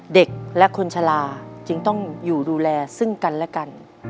เด็กและคนชะลาจึงต้องอยู่ดูแลซึ่งกันและกัน